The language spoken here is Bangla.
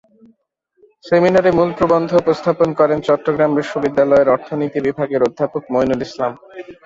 সেমিনারে মূল প্রবন্ধ উপস্থাপন করেন চট্টগ্রাম বিশ্ববিদ্যালয়ের অর্থনীতি বিভাগের অধ্যাপক মইনুল ইসলাম।